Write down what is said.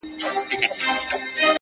علم د تیارو پر وړاندې رڼا ده!